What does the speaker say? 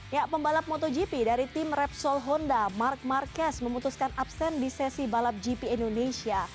ya pembalap motogp dari tim repsol honda mark marquez memutuskan absen di sesi balap gp indonesia